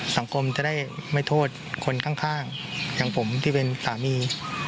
สังคมจะได้ไม่โทษคนข้างอย่างผมที่เป็นสามี